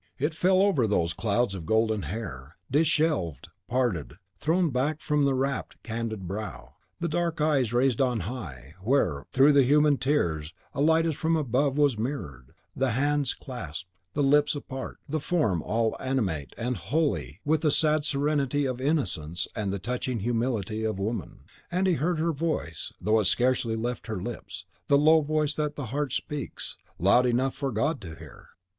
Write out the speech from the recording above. It fell over those clouds of golden hair, dishevelled, parted, thrown back from the rapt, candid brow; the dark eyes raised on high, where, through the human tears, a light as from above was mirrored; the hands clasped, the lips apart, the form all animate and holy with the sad serenity of innocence and the touching humility of woman. And he heard her voice, though it scarcely left her lips: the low voice that the heart speaks, loud enough for God to hear!